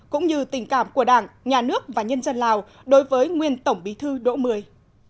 cũng như tình cảm của đảng nhà nước và nhân dân lào đối với nguyên tổng bí thư đỗ mười